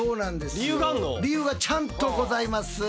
理由はちゃんとございます。